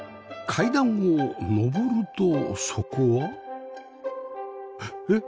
階段を上るとそこはえっ！？